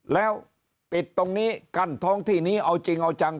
แล้วปิดตรงนี้กั้นท้องที่นี้เอาจริงเอาจัง